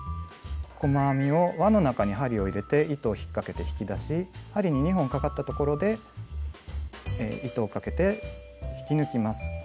細編みを輪の中に針を入れて糸を引っかけて引き出し針に２本かかったところで糸をかけて引き抜きます。